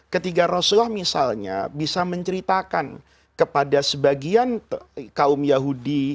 ketiga rasulullah misalnya bisa menceritakan kepada sebagian kaum yahudi